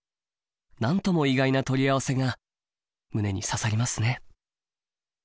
何とも意外な取り合わせが胸に刺さりますね。